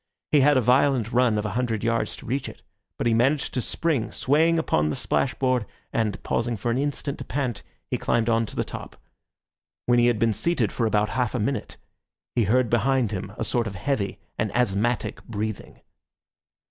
He had a violent run of a hundred yards to reach it; but he managed to spring, swaying upon the splash board and, pausing for an instant to pant, he climbed on to the top. When he had been seated for about half a minute, he heard behind him a sort of heavy and asthmatic breathing.